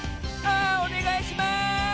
あおねがいします！